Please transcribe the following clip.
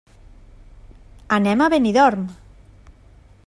Anem a Benidorm.